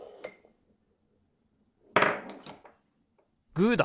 グーだ！